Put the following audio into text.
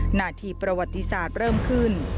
หน้าที่ประวัติศาสตร์เริ่มขึ้น